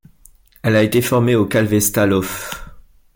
Elle a été formée au Kälvesta Iof.